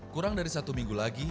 kurang dari satu minggu lagi